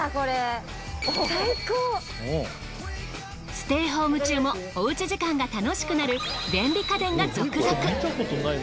ステイホーム中もお家時間が楽しくなる便利家電が続々。